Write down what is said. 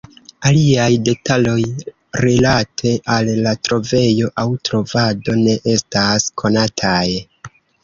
Aliaj detaloj rilate al la trovejo aŭ trovado ne estas konataj.